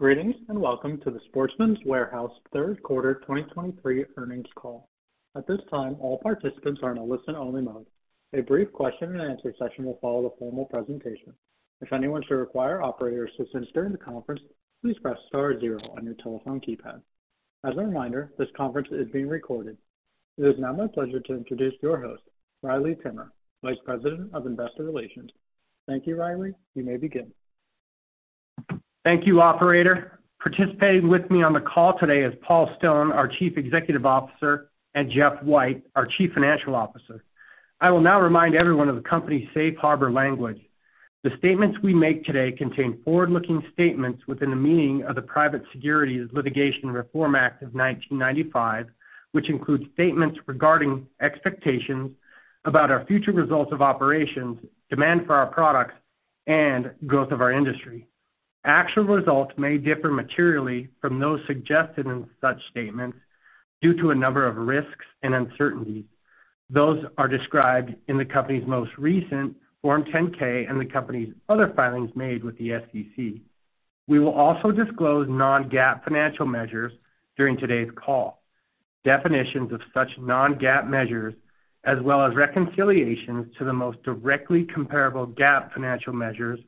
Greetings, and welcome to the Sportsman's Warehouse Q3 2023 Earnings Call. At this time, all participants are in a listen-only mode. A brief question and answer session will follow the formal presentation. If anyone should require operator assistance during the conference, please press star zero on your telephone keypad. As a reminder, this conference is being recorded. It is now my pleasure to introduce your host, Riley Timmer, Vice President of Investor Relations. Thank you, Riley. You may begin. Thank you, operator. Participating with me on the call today is Paul Stone, our Chief Executive Officer, and Jeff White, our Chief Financial Officer. I will now remind everyone of the company's safe harbor language. The statements we make today contain forward-looking statements within the meaning of the Private Securities Litigation Reform Act of 1995, which includes statements regarding expectations about our future results of operations, demand for our products, and growth of our industry. Actual results may differ materially from those suggested in such statements due to a number of risks and uncertainties. Those are described in the company's most recent Form 10-K, and the company's other filings made with the SEC. We will also disclose non-GAAP financial measures during today's call. Definitions of such non-GAAP measures, as well as reconciliations to the most directly comparable GAAP financial measures,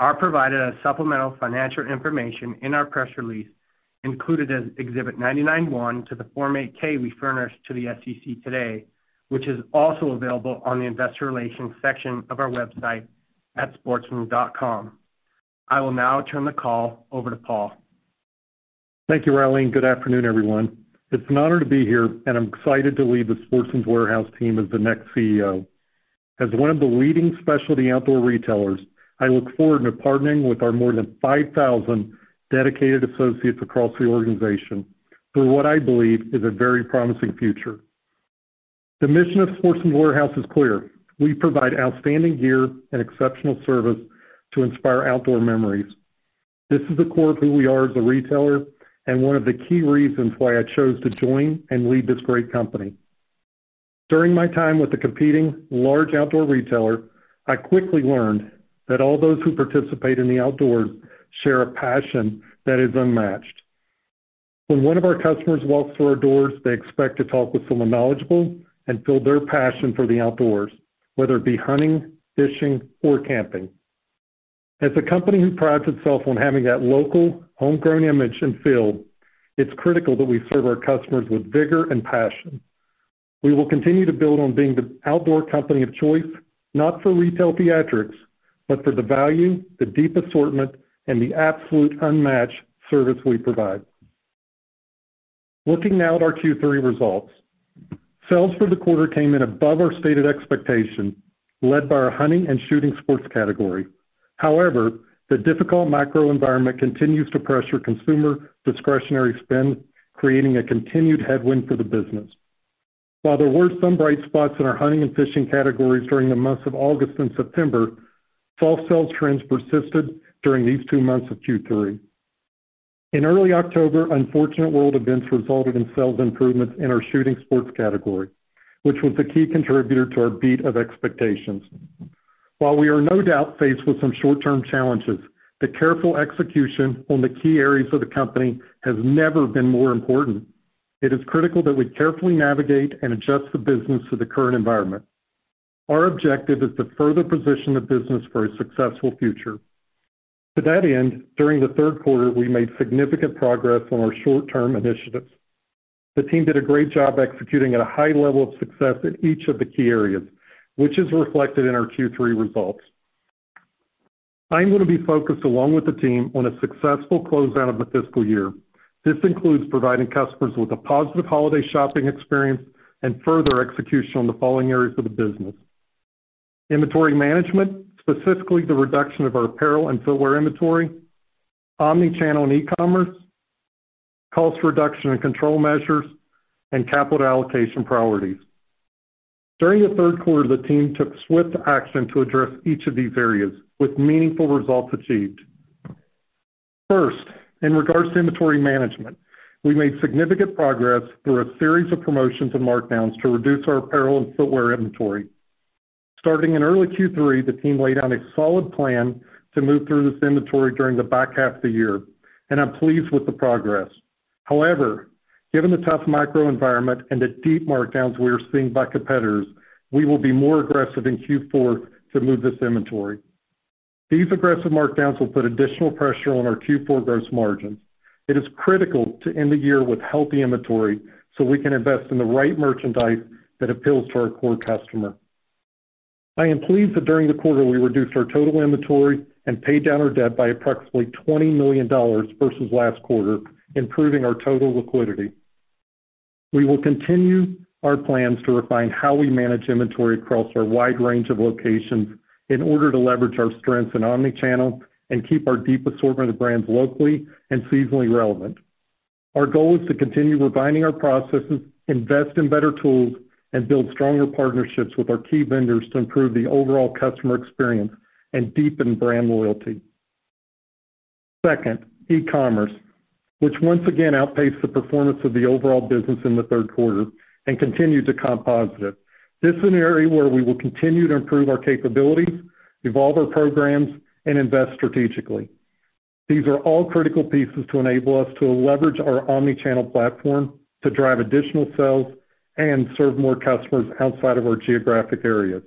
are provided as supplemental financial information in our press release, included as Exhibit 99-1 to the Form 8-K we furnished to the SEC today, which is also available on the investor relations section of our website at sportsmans.com. I will now turn the call over to Paul. Thank you, Riley, and good afternoon, everyone. It's an honor to be here, and I'm excited to lead the Sportsman's Warehouse team as the next CEO. As one of the leading specialty outdoor retailers, I look forward to partnering with our more than 5,000 dedicated associates across the organization for what I believe is a very promising future. The mission of Sportsman's Warehouse is clear: We provide outstanding gear and exceptional service to inspire outdoor memories. This is the core of who we are as a retailer and one of the key reasons why I chose to join and lead this great company. During my time with a competing large outdoor retailer, I quickly learned that all those who participate in the outdoors share a passion that is unmatched. When one of our customers walks through our doors, they expect to talk with someone knowledgeable and feel their passion for the outdoors, whether it be hunting, fishing, or camping. As a company who prides itself on having that local, homegrown image and feel, it's critical that we serve our customers with vigor and passion. We will continue to build on being the outdoor company of choice, not for retail theatrics, but for the value, the deep assortment, and the absolute unmatched service we provide. Looking now at our Q3 results. Sales for the quarter came in above our stated expectation, led by our hunting and shooting sports category. However, the difficult macro environment continues to pressure consumer discretionary spend, creating a continued headwind for the business. While there were some bright spots in our hunting and fishing categories during the months of August and September, soft sales trends persisted during these two months of Q3. In early October, unfortunate world events resulted in sales improvements in our shooting sports category, which was a key contributor to our beat of expectations. While we are no doubt faced with some short-term challenges, the careful execution on the key areas of the company has never been more important. It is critical that we carefully navigate and adjust the business to the current environment. Our objective is to further position the business for a successful future. To that end, during the Q3, we made significant progress on our short-term initiatives. The team did a great job executing at a high level of success in each of the key areas, which is reflected in our Q3 results. I'm going to be focused, along with the team, on a successful closeout of the fiscal year. This includes providing customers with a positive holiday shopping experience and further execution on the following areas of the business: Inventory management, specifically the reduction of our apparel and footwear inventory, omnichannel and e-commerce, cost reduction and control measures, and capital allocation priorities. During the Q3, the team took swift action to address each of these areas with meaningful results achieved. First, in regards to inventory management, we made significant progress through a series of promotions and markdowns to reduce our apparel and footwear inventory. Starting in early Q3, the team laid out a solid plan to move through this inventory during the back half of the year, and I'm pleased with the progress. However, given the tough macro environment and the deep markdowns we are seeing by competitors, we will be more aggressive in Q4 to move this inventory. These aggressive markdowns will put additional pressure on our Q4 gross margins. It is critical to end the year with healthy inventory so we can invest in the right merchandise that appeals to our core customer. I am pleased that during the quarter, we reduced our total inventory and paid down our debt by approximately $20 million versus last quarter, improving our total liquidity. We will continue our plans to refine how we manage inventory across our wide range of locations in order to leverage our strengths in omnichannel and keep our deep assortment of brands locally and seasonally relevant. Our goal is to continue refining our processes, invest in better tools, and build stronger partnerships with our key vendors to improve the overall customer experience and deepen brand loyalty. Second, e-commerce, which once again outpaced the performance of the overall business in Q3 and continued to comp positive. This is an area where we will continue to improve our capabilities, evolve our programs, and invest strategically. These are all critical pieces to enable us to leverage our omni-channel platform to drive additional sales and serve more customers outside of our geographic areas.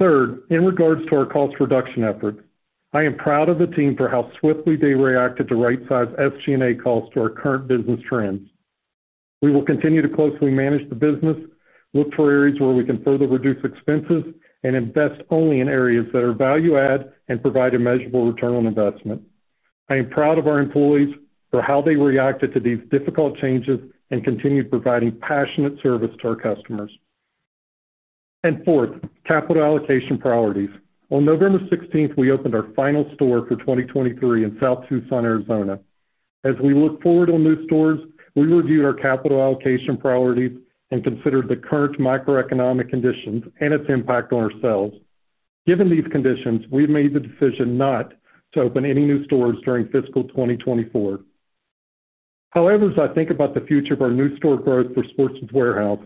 Third, in regards to our cost reduction efforts, I am proud of the team for how swiftly they reacted to rightsize SG&A costs to our current business trends. We will continue to closely manage the business, look for areas where we can further reduce expenses, and invest only in areas that are value-add and provide a measurable return on investment. I am proud of our employees for how they reacted to these difficult changes and continued providing passionate service to our customers. And fourth, capital allocation priorities. On November 16, we opened our final store for 2023 in South Tucson, Arizona. As we look forward on new stores, we reviewed our capital allocation priorities and considered the current macroeconomic conditions and its impact on our sales. Given these conditions, we've made the decision not to open any new stores during fiscal 2024. However, as I think about the future of our new store growth for Sportsman's Warehouse,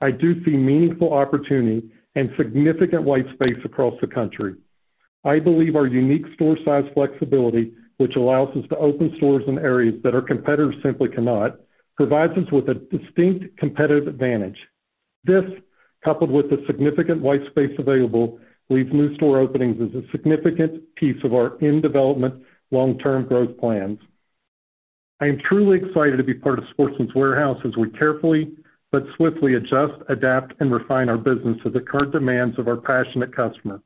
I do see meaningful opportunity and significant white space across the country. I believe our unique store size flexibility, which allows us to open stores in areas that our competitors simply cannot, provides us with a distinct competitive advantage. This, coupled with the significant white space available, leaves new store openings as a significant piece of our in-development long-term growth plans. I am truly excited to be part of Sportsman's Warehouse as we carefully but swiftly adjust, adapt, and refine our business to the current demands of our passionate customers.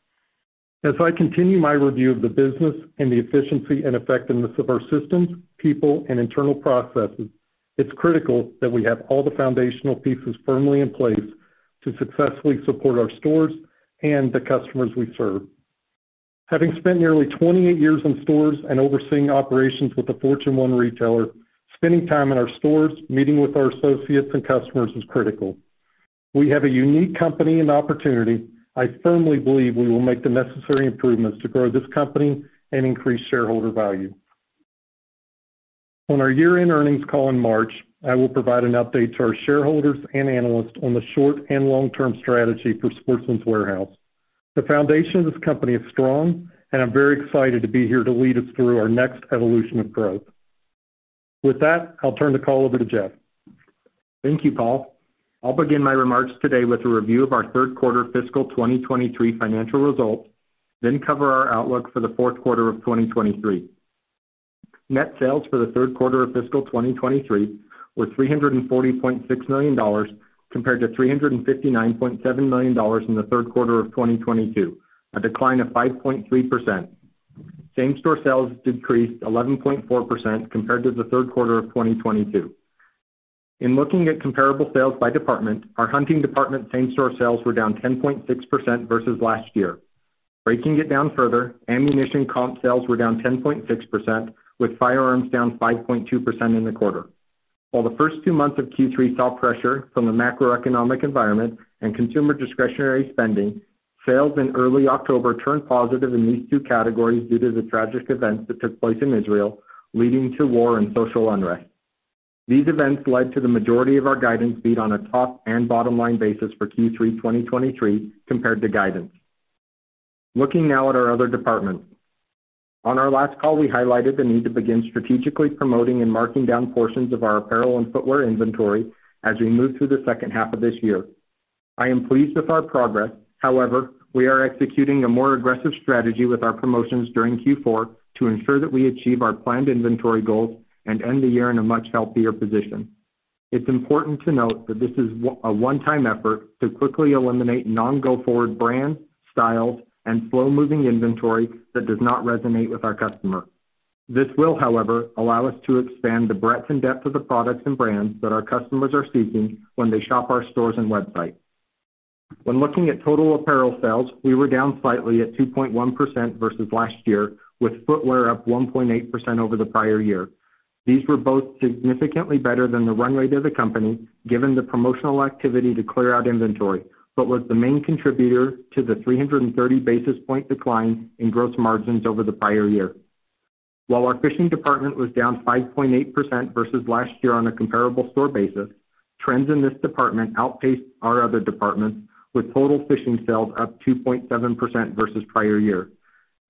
As I continue my review of the business and the efficiency and effectiveness of our systems, people, and internal processes, it's critical that we have all the foundational pieces firmly in place to successfully support our stores and the customers we serve. Having spent nearly 28 years in stores and overseeing operations with a Fortune 1 retailer, spending time in our stores, meeting with our associates and customers is critical. We have a unique company and opportunity. I firmly believe we will make the necessary improvements to grow this company and increase shareholder value. On our year-end earnings call in March, I will provide an update to our shareholders and analysts on the short- and long-term strategy for Sportsman's Warehouse. The foundation of this company is strong, and I'm very excited to be here to lead us through our next evolution of growth. With that, I'll turn the call over to Jeff. Thank you, Paul. I'll begin my remarks today with a review of our Q3 fiscal 2023 financial results, then cover our outlook for the Q4 of 2023. Net sales for the Q3 of fiscal 2023 were $340.6 compared to 359.7 million in Q3 of 2022, a decline of 5.3%. Same-store sales decreased 11.4% compared to Q3 of 2022. In looking at comparable sales by department, our hunting department same-store sales were down 10.6% versus last year. Breaking it down further, ammunition comp sales were down 10.6%, with firearms down 5.2% in the quarter. While the first two months of Q3 saw pressure from the macroeconomic environment and consumer discretionary spending, sales in early October turned positive in these two categories due to the tragic events that took place in Israel, leading to war and social unrest. These events led to the majority of our guidance beat on a top and bottom-line basis for Q3 2023 compared to guidance. Looking now at our other departments. On our last call, we highlighted the need to begin strategically promoting and marking down portions of our apparel and footwear inventory as we move through the second half of this year. I am pleased with our progress. However, we are executing a more aggressive strategy with our promotions during Q4 to ensure that we achieve our planned inventory goals and end the year in a much healthier position. It's important to note that this is a one-time effort to quickly eliminate non-go-forward brands, styles, and slow-moving inventory that does not resonate with our customers. This will, however, allow us to expand the breadth and depth of the products and brands that our customers are seeking when they shop our stores and website. When looking at total apparel sales, we were down slightly at 2.1% versus last year, with footwear up 1.8% over the prior year. These were both significantly better than the runway to the company, given the promotional activity to clear out inventory, but was the main contributor to the 330 basis point decline in gross margins over the prior year. While our fishing department was down 5.8% versus last year on a comparable store basis, trends in this department outpaced our other departments, with total fishing sales up 2.7% versus prior year.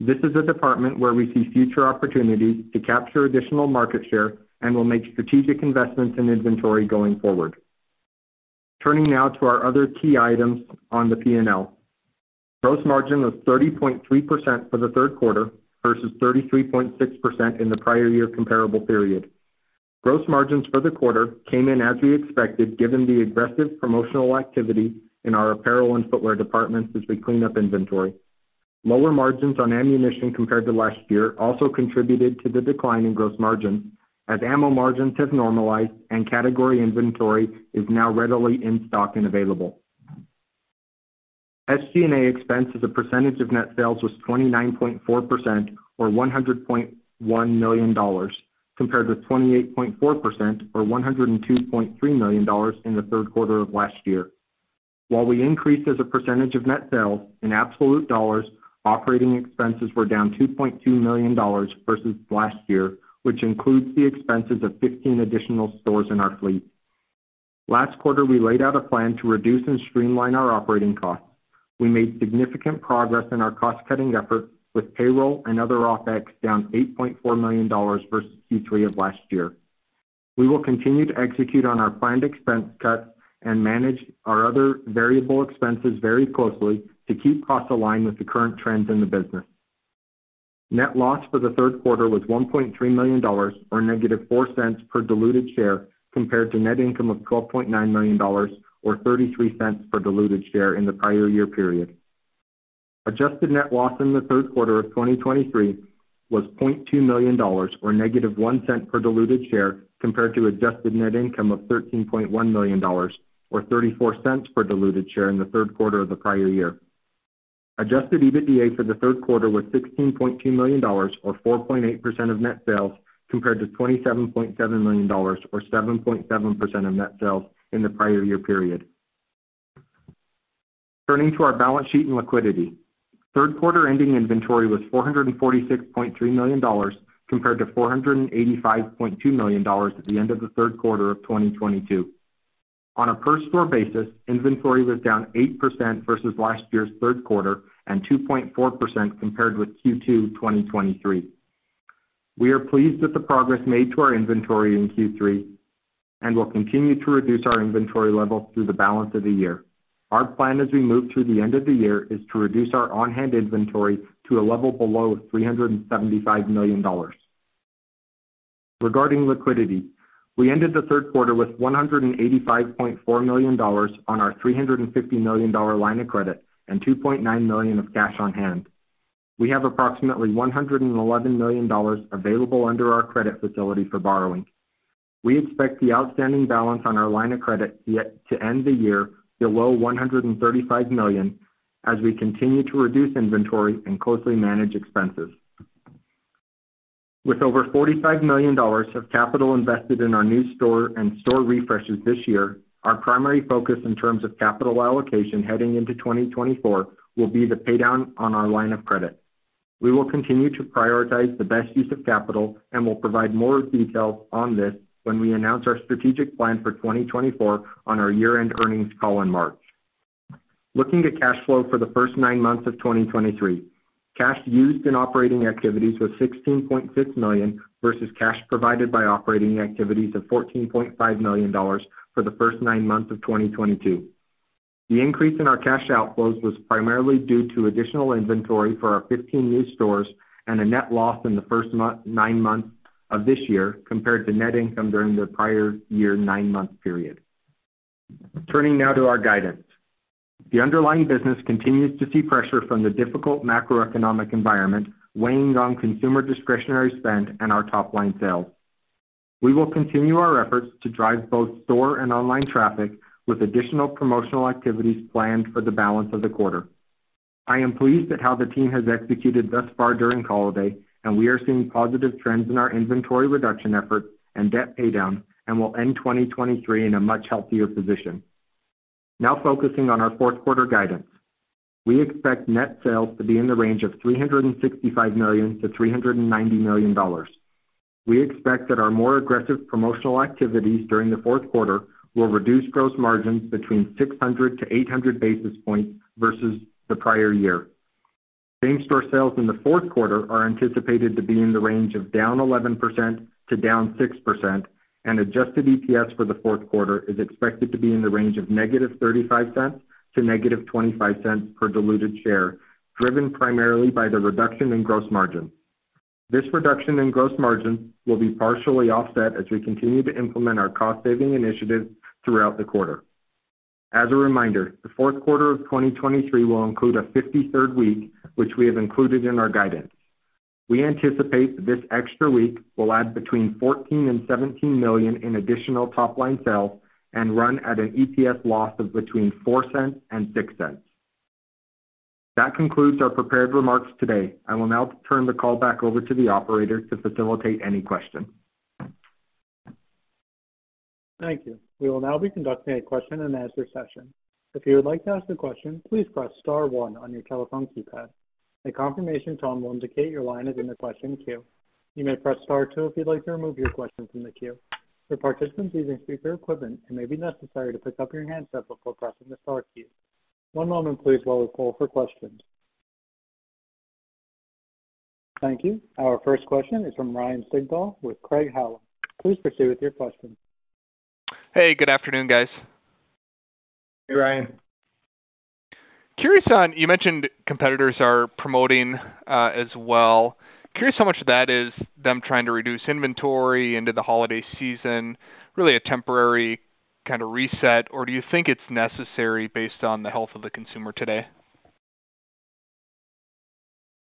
This is a department where we see future opportunities to capture additional market share and will make strategic investments in inventory going forward. Turning now to our other key items on the P&L. Gross margin was 30.3% for Q3 versus 33.6% in the prior year comparable period. Gross margins for the quarter came in as we expected, given the aggressive promotional activity in our apparel and footwear departments as we clean up inventory. Lower margins on ammunition compared to last year also contributed to the decline in gross margin, as ammo margins have normalized and category inventory is now readily in stock and available. SG&A expense as a percentage of net sales was 29.4% or $100.1 compared to 28.4% or 102.3 million in the Q3 of last year. While we increased as a percentage of net sales, in absolute dollars, operating expenses were down $2.2 million versus last year, which includes the expenses of 15 additional stores in our fleet. Last quarter, we laid out a plan to reduce and streamline our operating costs. We made significant progress in our cost-cutting efforts, with payroll and other OPEX down $8.4 million versus Q3 of last year. We will continue to execute on our planned expense cuts and manage our other variable expenses very closely to keep costs aligned with the current trends in the business. Net loss for Q3 was $1.3 million, or -0.04 per diluted share, compared to net income of $12.9 million, or 0.33 per diluted share in the prior year period. Adjusted net loss in the Q3 of 2023 was $0.2 million, or -0.01 per diluted share, compared to adjusted net income of $13.1 million, or 0.34 per diluted share in Q3 of the prior year. Adjusted EBITDA for the Q3 was $16.2 million, or 4.8% of net sales, compared to 27.7 million, or 7.7% of net sales in the prior year period. Turning to our balance sheet and liquidity. Q3 ending inventory was $446.3 compared to 485.2 million at the end of Q3 of 2022. On a per store basis, inventory was down 8% versus last year's Q3 and 2.4% compared with Q2 2023. We are pleased with the progress made to our inventory in Q3 and will continue to reduce our inventory levels through the balance of the year. Our plan as we move through the end of the year, is to reduce our on-hand inventory to a level below $375 million. Regarding liquidity, we ended Q3 with $185.4 on our 350 million line of credit and $2.9 million of cash on hand. We have approximately $111 million available under our credit facility for borrowing. We expect the outstanding balance on our line of credit to end the year below $135 million as we continue to reduce inventory and closely manage expenses. With over $45 million of capital invested in our new store and store refreshes this year, our primary focus in terms of capital allocation heading into 2024 will be the paydown on our line of credit. We will continue to prioritize the best use of capital, and we'll provide more detail on this when we announce our strategic plan for 2024 on our year-end earnings call in March. Looking to cash flow for the first nine months of 2023, cash used in operating activities was $16.6 million, versus cash provided by operating activities of 14.5 million for the first nine months of 2022. The increase in our cash outflows was primarily due to additional inventory for our 15 new stores and a net loss in the first nine months of this year, compared to net income during the prior year nine-month period. Turning now to our guidance. The underlying business continues to see pressure from the difficult macroeconomic environment, weighing on consumer discretionary spend and our top-line sales. We will continue our efforts to drive both store and online traffic, with additional promotional activities planned for the balance of the quarter. I am pleased at how the team has executed thus far during holiday, and we are seeing positive trends in our inventory reduction efforts and debt paydown, and will end 2023 in a much healthier position. Now focusing on our Q4 guidance. We expect net sales to be in the range of $365 -390 million. We expect that our more aggressive promotional activities during the Q4 will reduce gross margins between 600-800 basis points versus the prior year. Same-store sales in the Q4 are anticipated to be in the range of down 11% to down 6%, and Adjusted EPS for Q4 is expected to be in the range of -$0.35 to -0.25 per diluted share, driven primarily by the reduction in gross margin. This reduction in gross margin will be partially offset as we continue to implement our cost-saving initiatives throughout the quarter. As a reminder, the Q4 of 2023 will include a 53rd week, which we have included in our guidance. We anticipate that this extra week will add between $14 and 17 million in additional top-line sales and run at an EPS loss of between $0.04 and 0.06. That concludes our prepared remarks today. I will now turn the call back over to the operator to facilitate any questions. Thank you. We will now be conducting a question-and-answer session. If you would like to ask a question, please press star one on your telephone keypad. A confirmation tone will indicate your line is in the question queue. You may press Star two if you'd like to remove your question from the queue. For participants using speaker equipment, it may be necessary to pick up your handset before pressing the star key. One moment please while we call for questions. Thank you. Our first question is from Ryan Sigdahl with Craig-Hallum. Please proceed with your question. Hey, good afternoon, guys. Hey, Ryan. Curious on... You mentioned competitors are promoting as well. Curious how much of that is them trying to reduce inventory into the holiday season, really a temporary kind of reset, or do you think it's necessary based on the health of the consumer today?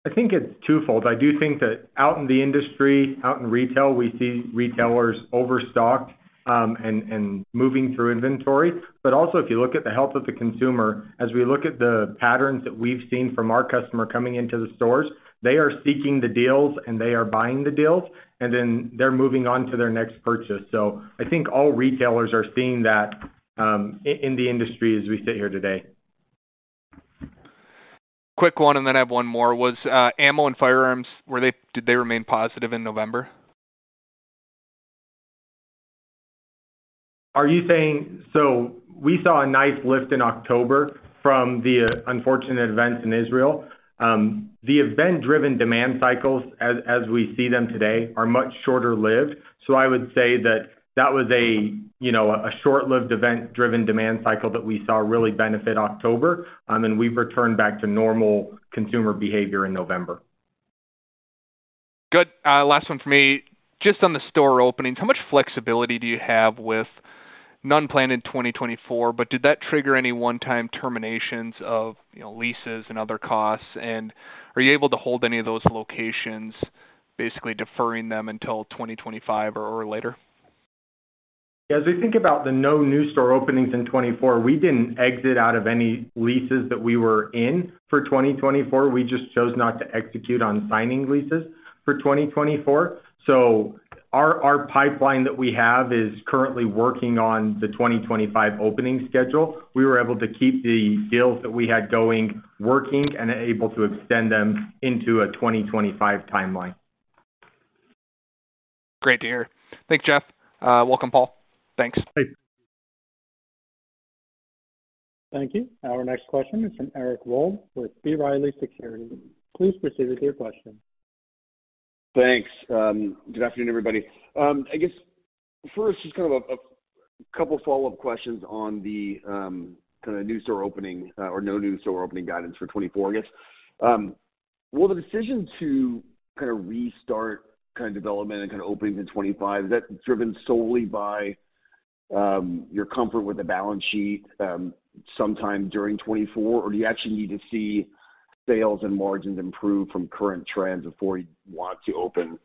I think it's twofold. I do think that out in the industry, out in retail, we see retailers overstocked, and moving through inventory. But also, if you look at the health of the consumer, as we look at the patterns that we've seen from our customer coming into the stores, they are seeking the deals and they are buying the deals, and then they're moving on to their next purchase. So I think all retailers are seeing that, in the industry as we sit here today. Quick one, and then I have one more. Was ammo and firearms, did they remain positive in November? Are you saying—so we saw a nice lift in October from the unfortunate events in Israel. The event-driven demand cycles as we see them today are much shorter-lived. So I would say that that was a, you know, a short-lived event-driven demand cycle that we saw really benefit October, and we've returned back to normal consumer behavior in November. Good. Last one for me. Just on the store openings, how much flexibility do you have with none planned in 2024? But did that trigger any one-time terminations of, you know, leases and other costs? And are you able to hold any of those locations, basically deferring them until 2025 or later? As we think about the no new store openings in 2024, we didn't exit out of any leases that we were in for 2024. We just chose not to execute on signing leases for 2024. So our pipeline that we have is currently working on the 2025 opening schedule. We were able to keep the deals that we had going, working, and able to extend them into a 2025 timeline. Great to hear. Thanks, Jeff. Welcome, Paul. Thanks. Thank you. Our next question is from Eric Wold with B. Riley Securities. Please proceed with your question. Thanks. Good afternoon, everybody. I guess first, just kind of a couple follow-up questions on the kind of new store opening or no new store opening guidance for 2024, I guess. Will the decision to kind of restart kind of development and kind of openings in 2025 is that driven solely by your comfort with the balance sheet sometime during 2024? Or do you actually need to see sales and margins improve from current trends before you want to open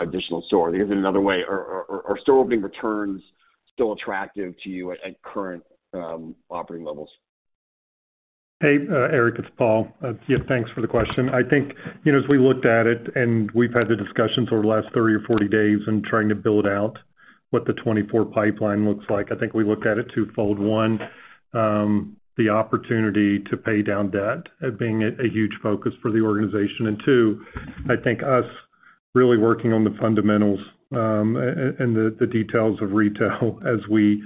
additional stores? Maybe another way, are store opening returns still attractive to you at current operating levels? Hey, Eric, it's Paul. Yeah, thanks for the question. I think, you know, as we looked at it, and we've had the discussions over the last 30 or 40 days and trying to build out what the 2024 pipeline looks like, I think we looked at it twofold. One, the opportunity to pay down debt as being a huge focus for the organization. And two, I think us really working on the fundamentals, and the details of retail as we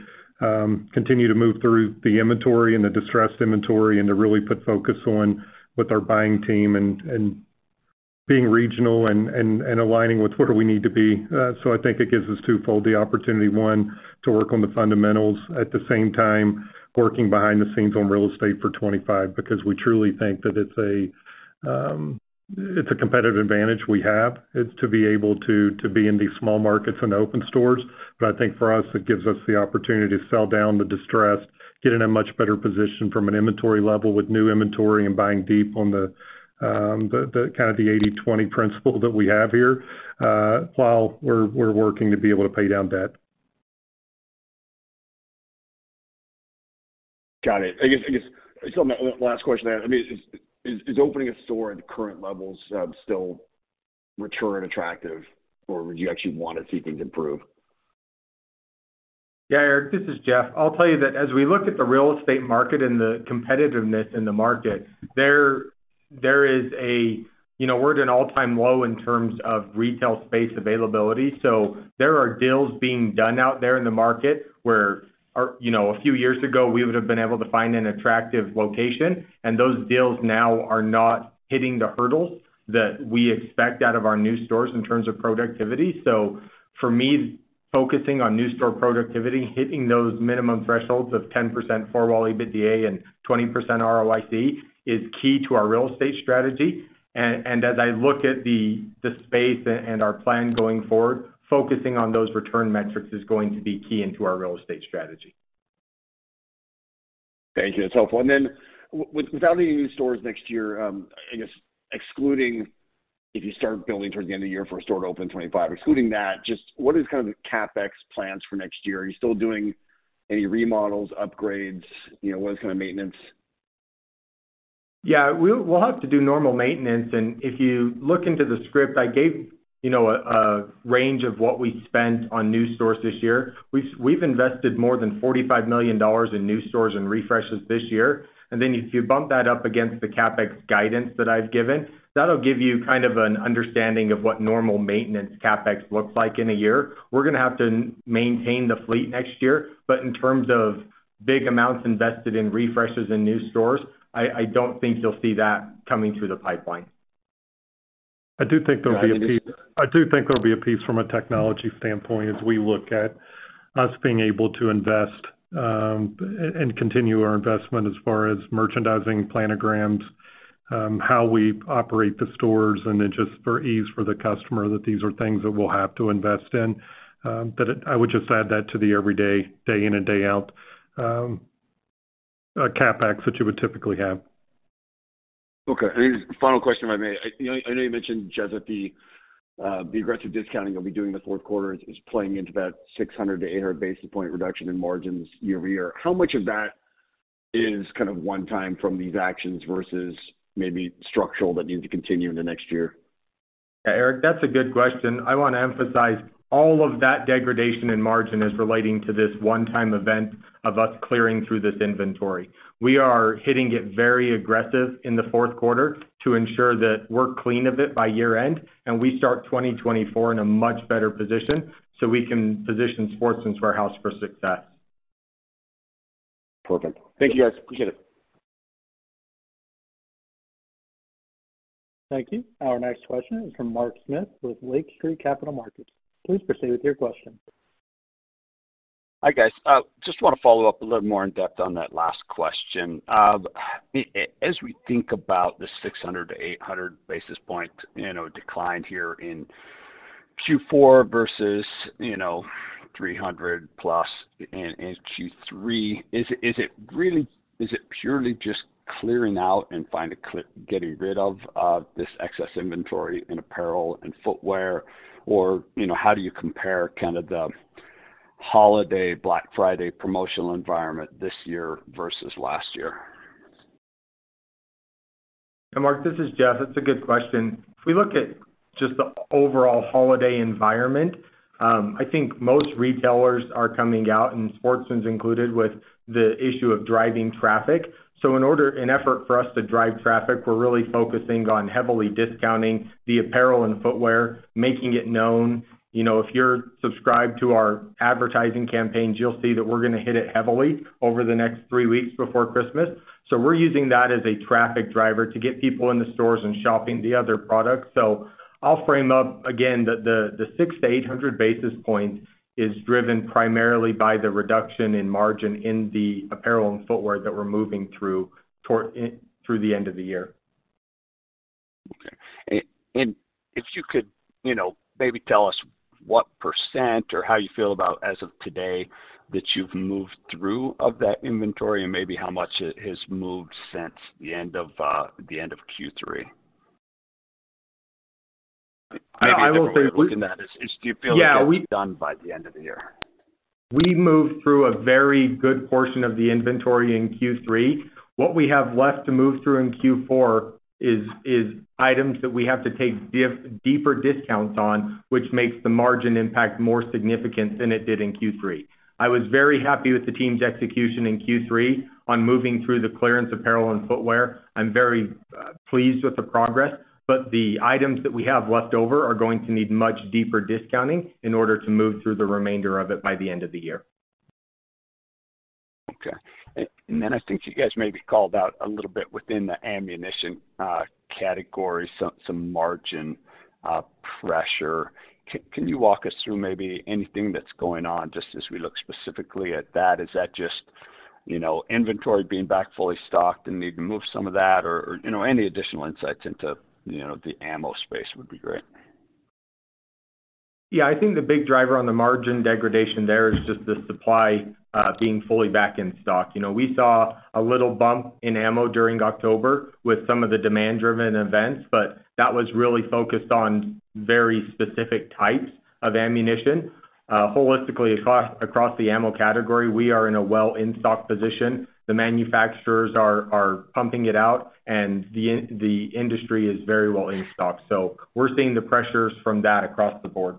continue to move through the inventory and the distressed inventory, and to really put focus on with our buying team and being regional and aligning with where do we need to be. So I think it gives us twofold: the opportunity, one, to work on the fundamentals, at the same time, working behind the scenes on real estate for 2025, because we truly think that it's a, it's a competitive advantage we have, is to be able to, to be in these small markets and open stores. But I think for us, it gives us the opportunity to sell down the distressed, get in a much better position from an inventory level with new inventory and buying deep on the kind of the 80/20 principle that we have here, while we're working to be able to pay down debt. Got it. I guess, so my one last question, I mean, is opening a store at current levels still return attractive, or would you actually want to see things improve? Yeah, Eric, this is Jeff. I'll tell you that as we look at the real estate market and the competitiveness in the market, there is a... You know, we're at an all-time low in terms of retail space availability. So there are deals being done out there in the market where, you know, a few years ago, we would have been able to find an attractive location, and those deals now are not hitting the hurdles that we expect out of our new stores in terms of productivity. So for me, focusing on new store productivity, hitting those minimum thresholds of 10% Four-Wall EBITDA and 20% ROIC, is key to our real estate strategy. And as I look at the space and our plan going forward, focusing on those return metrics is going to be key into our real estate strategy. Thank you. That's helpful. And then without any new stores next year, I guess, excluding, if you start building towards the end of the year for a store to open in 2025, excluding that, just what is kind of the CapEx plans for next year? Are you still doing any remodels, upgrades? You know, what is kind of maintenance? Yeah, we'll have to do normal maintenance, and if you look into the script, I gave, you know, a range of what we spent on new stores this year. We've invested more than $45 million in new stores and refreshes this year. And then if you bump that up against the CapEx guidance that I've given, that'll give you kind of an understanding of what normal maintenance CapEx looks like in a year. We're gonna have to maintain the fleet next year, but in terms of big amounts invested in refreshes and new stores, I don't think you'll see that coming through the pipeline. I do think there'll be a piece—I do think there'll be a piece from a technology standpoint, as we look at us being able to invest, and continue our investment as far as merchandising planograms, how we operate the stores, and then just for ease for the customer, that these are things that we'll have to invest in. But I would just add that to the every day, day in and day out, CapEx that you would typically have. Okay. Final question, if I may. I know you mentioned, Jeff, that the aggressive discounting you'll be doing in the Q4 is playing into that 600-800 basis point reduction in margins year-over-year. How much of that is kind of one time from these actions versus maybe structural that needs to continue in the next year? Yeah, Eric, that's a good question. I want to emphasize, all of that degradation in margin is relating to this one-time event of us clearing through this inventory. We are hitting it very aggressive in Q4 to ensure that we're clean of it by year-end, and we start 2024 in a much better position, so we can position Sportsman's Warehouse for success. Perfect. Thank you, guys. Appreciate it. Thank you. Our next question is from Mark Smith with Lake Street Capital Markets. Please proceed with your question. Hi, guys. Just want to follow up a little more in depth on that last question. As we think about the 600-800 basis point, you know, decline here in Q4 versus, you know, 300+ in Q3, is it really—is it purely just clearing out and getting rid of this excess inventory in apparel and footwear? Or, you know, how do you compare kind of the holiday Black Friday promotional environment this year versus last year? Hey, Mark, this is Jeff. That's a good question. If we look at just the overall holiday environment, I think most retailers are coming out, and Sportsman's included, with the issue of driving traffic. So, in an effort for us to drive traffic, we're really focusing on heavily discounting the apparel and footwear, making it known. You know, if you're subscribed to our advertising campaigns, you'll see that we're going to hit it heavily over the next three weeks before Christmas. So we're using that as a traffic driver to get people in the stores and shopping the other products. So I'll frame up again, the 600-800 basis points is driven primarily by the reduction in margin in the apparel and footwear that we're moving through toward through the end of the year. Okay. And if you could, you know, maybe tell us what percent or how you feel about as of today, that you've moved through of that inventory and maybe how much has moved since the end of Q3? Yeah, I would say- Looking at is, do you feel like- Yeah, we- -done by the end of the year? We moved through a very good portion of the inventory in Q3. What we have left to move through in Q4 is items that we have to take deeper discounts on, which makes the margin impact more significant than it did in Q3. I was very happy with the team's execution in Q3 on moving through the clearance apparel and footwear. I'm very pleased with the progress, but the items that we have left over are going to need much deeper discounting in order to move through the remainder of it by the end of the year. Okay. And then I think you guys may be called out a little bit within the ammunition category, some margin pressure. Can you walk us through maybe anything that's going on, just as we look specifically at that? Is that just, you know, inventory being back fully stocked and need to move some of that? Or, you know, any additional insights into, you know, the ammo space would be great. Yeah. I think the big driver on the margin degradation there is just the supply being fully back in stock. You know, we saw a little bump in ammo during October with some of the demand-driven events, but that was really focused on very specific types of ammunition. Holistically, across, across the ammo category, we are in a well-in-stock position. The manufacturers are pumping it out, and the industry is very well in stock. So we're seeing the pressures from that across the board.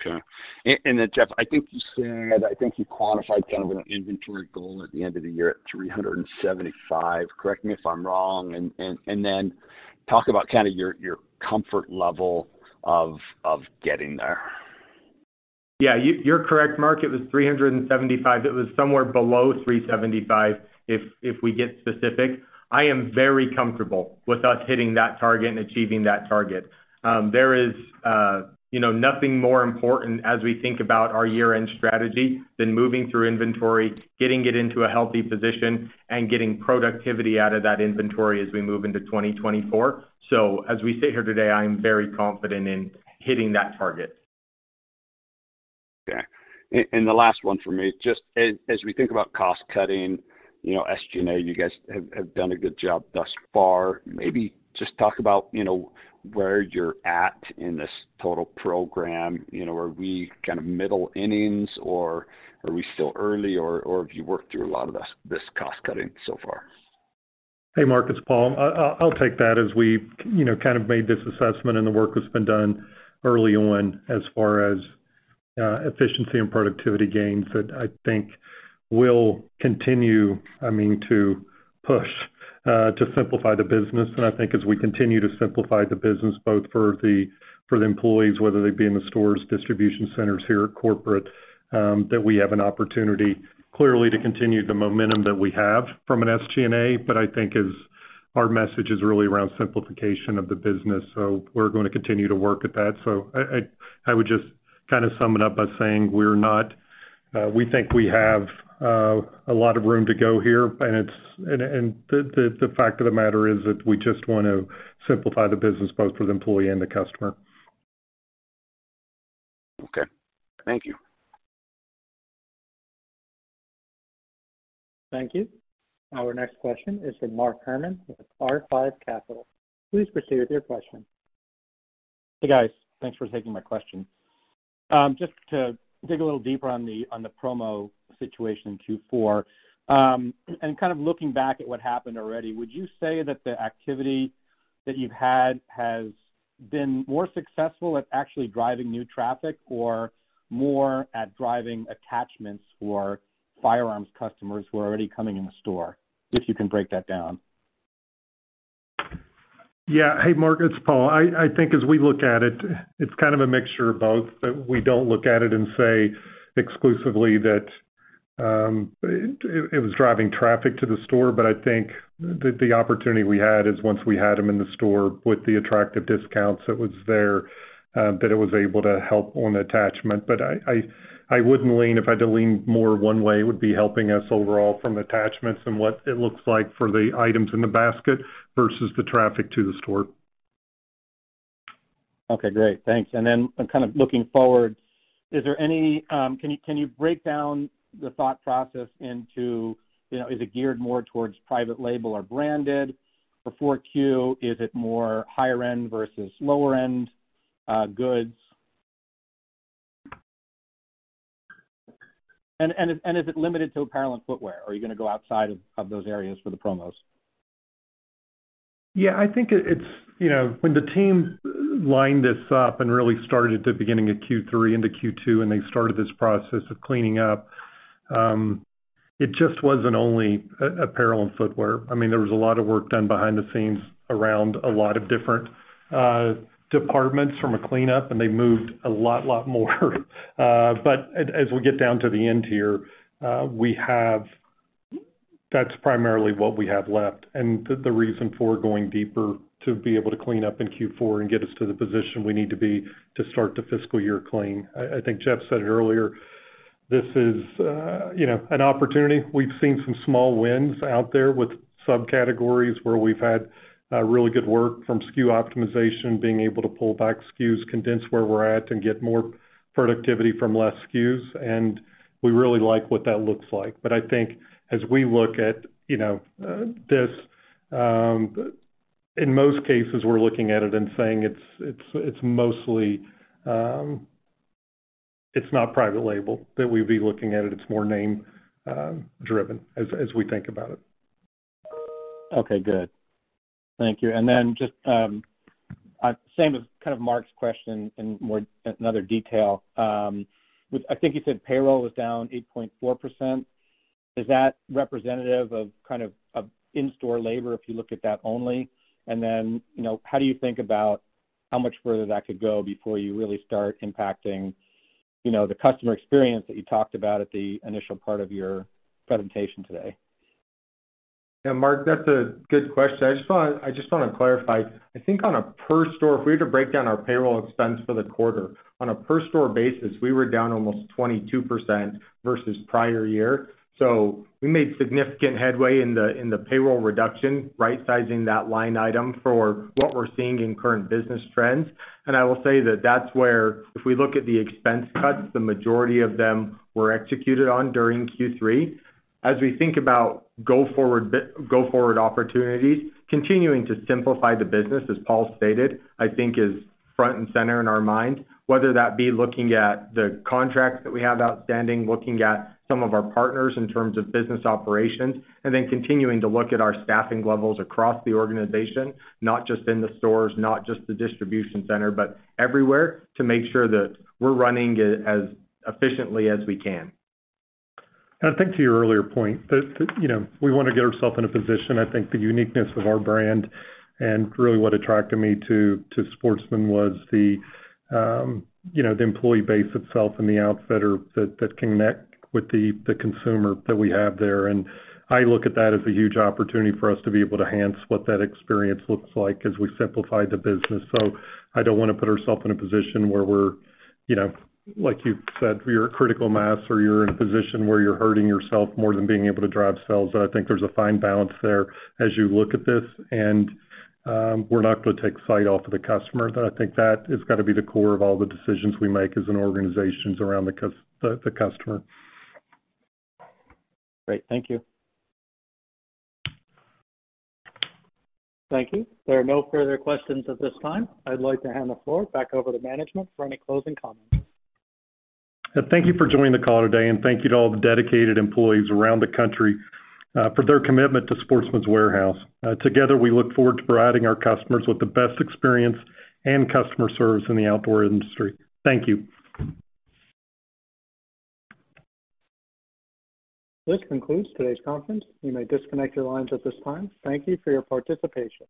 Okay. And then, Jeff, I think you said, I think you quantified kind of an inventory goal at the end of the year at 375. Correct me if I'm wrong, and then talk about kind of your comfort level of getting there. Yeah, you're correct, Mark. It was 375. It was somewhere below 375, if we get specific. I am very comfortable with us hitting that target and achieving that target. There is, you know, nothing more important as we think about our year-end strategy than moving through inventory, getting it into a healthy position, and getting productivity out of that inventory as we move into 2024. So as we sit here today, I am very confident in hitting that target. Okay. And the last one for me, just as we think about cost cutting, you know, SG&A, you guys have done a good job thus far. Maybe just talk about, you know, where you're at in this total program. You know, are we kind of middle innings, or are we still early, or have you worked through a lot of this cost cutting so far? Hey, Mark, it's Paul. I'll take that as we, you know, kind of made this assessment and the work that's been done early on as far as efficiency and productivity gains, that I think will continue, I mean, to push to simplify the business. And I think as we continue to simplify the business, both for the employees, whether they be in the stores, distribution centers here at corporate, that we have an opportunity, clearly, to continue the momentum that we have from an SG&A. But I think is our message is really around simplification of the business, so we're going to continue to work at that. So I would just kind of sum it up by saying we're not... We think we have a lot of room to go here, and the fact of the matter is that we just want to simplify the business, both for the employee and the customer. Okay. Thank you. Thank you. Our next question is from Matt Hermann with R5 Capital. Please proceed with your question. Hey, guys. Thanks for taking my question. Just to dig a little deeper on the promo situation in Q4. And kind of looking back at what happened already, would you say that the activity that you've had has been more successful at actually driving new traffic or more at driving attachments for firearms customers who are already coming in the store? If you can break that down. Yeah. Hey, Matt, it's Paul. I think as we look at it, it's kind of a mixture of both, but we don't look at it and say exclusively that, it was driving traffic to the store. But I think the opportunity we had is once we had them in the store with the attractive discounts that was there, that it was able to help on attachment. But I wouldn't lean-- If I had to lean more one way, it would be helping us overall from attachments and what it looks like for the items in the basket versus the traffic to the store. Okay, great. Thanks. And then kind of looking forward, is there any, can you break down the thought process into, you know, is it geared more towards private label or branded for 4Q? Is it more higher end versus lower end, goods? And is it limited to apparel and footwear, or are you gonna go outside of those areas for the promos? Yeah, I think it, it's... You know, when the team lined this up and really started at the beginning of Q3 into Q2, and they started this process of cleaning up, it just wasn't only apparel and footwear. I mean, there was a lot of work done behind the scenes around a lot of different departments from a cleanup, and they moved a lot more. But as we get down to the end here, we have-- that's primarily what we have left, and the reason for going deeper to be able to clean up in Q4 and get us to the position we need to be, to start the fiscal year clean. I think Jeff said it earlier, this is, you know, an opportunity. We've seen some small wins out there with subcategories where we've had really good work from SKU optimization, being able to pull back SKUs, condense where we're at, and get more productivity from less SKUs, and we really like what that looks like. But I think as we look at you know this in most cases, we're looking at it and saying it's mostly it's not private label that we'd be looking at it. It's more name driven as we think about it. Okay, good. Thank you. And then just, same as kind of Mark's question in more, another detail. I think you said payroll was down 8.4%. Is that representative of kind of, of in-store labor, if you look at that only? And then, you know, how do you think about how much further that could go before you really start impacting, you know, the customer experience that you talked about at the initial part of your presentation today? Yeah, Mark, that's a good question. I just wanna, I just wanna clarify. I think on a per store, if we were to break down our payroll expense for the quarter, on a per store basis, we were down almost 22% versus prior year. So we made significant headway in the payroll reduction, right-sizing that line item for what we're seeing in current business trends. And I will say that that's where, if we look at the expense cuts, the majority of them were executed on during Q3. As we think about go forward opportunities, continuing to simplify the business, as Paul stated, I think is front and center in our mind. Whether that be looking at the contracts that we have outstanding, looking at some of our partners in terms of business operations, and then continuing to look at our staffing levels across the organization, not just in the stores, not just the distribution center, but everywhere, to make sure that we're running it as efficiently as we can. And I think to your earlier point, you know, we wanna get ourselves in a position. I think the uniqueness of our brand and really what attracted me to Sportsman was you know, the employee base itself and the outfitter that connect with the consumer that we have there. And I look at that as a huge opportunity for us to be able to enhance what that experience looks like as we simplify the business. So I don't wanna put ourselves in a position where we're, you know, like you said, we're a critical mass or you're in a position where you're hurting yourself more than being able to drive sales. And I think there's a fine balance there as you look at this, and we're not going to take sight off of the customer. But I think that has got to be the core of all the decisions we make as an organization, is around the customer. Great. Thank you. Thank you. There are no further questions at this time. I'd like to hand the floor back over to management for any closing comments. Thank you for joining the call today, and thank you to all the dedicated employees around the country, for their commitment to Sportsman's Warehouse. Together, we look forward to providing our customers with the best experience and customer service in the outdoor industry. Thank you. This concludes today's conference. You may disconnect your lines at this time. Thank you for your participation.